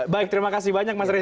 baik terima kasih banyak mas revo